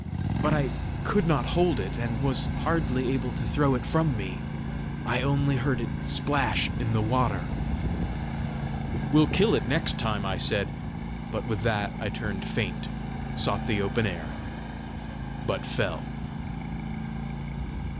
But I could not hold it, and was hardly able to throw it from me. I only heard it splash in the water!" "We'll kill it next time!" I said; but with that I turned faint, sought the open air, but fell.